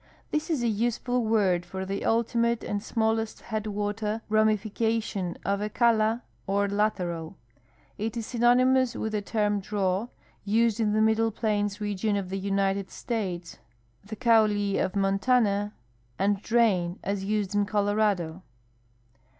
— This is a useful word for the ultimate and small est headwater ramification of a cala or lateral. It is synonymous with the term " draw," used in the middle Plains region of the United States, the " coulee" of Montana, and " drain" as used in Colorado.